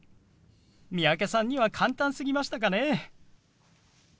三宅さんには簡単すぎましたかね。